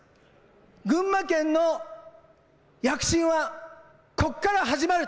群馬県の躍進はここから始まる。